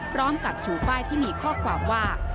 พร้อมกับชูป้ายที่มีข้อความว่า